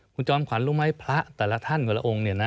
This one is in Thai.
คุณจอมขวัญรู้ไหมพระแต่ล่าท่านแต่ล่าองค์